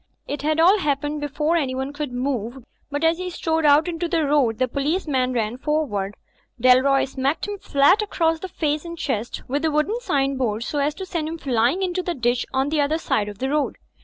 It had all happened before anyone could move, but as he strode out into the road the policeman ran for ward. Dalroy smote him flat across face and chest with the wooden sign board, so as to send him flying into the ditch on the other side of the road.